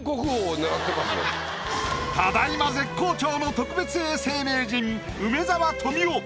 ただいま絶好調の特別永世名人梅沢富美男